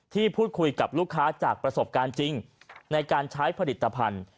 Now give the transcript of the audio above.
พูดคุยกับลูกค้าจากประสบการณ์จริงในการใช้ผลิตภัณฑ์